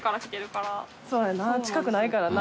そうやな近くないからな。